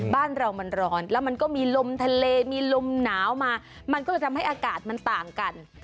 บ้านเรามันร้อนแล้วมันก็มีลมทะเลมีลมหนาวมามันก็เลยทำให้อากาศมันต่างกัน